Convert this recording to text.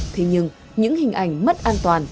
thế nhưng những hình ảnh mất an toàn